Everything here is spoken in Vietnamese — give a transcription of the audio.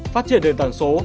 phát triển nền tảng số